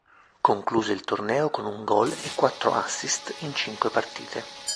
Concluse il torneo con un gol e quattro assist in cinque partite.